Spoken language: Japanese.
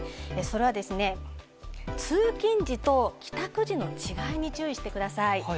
それは通勤時と帰宅時の違いに注意してください。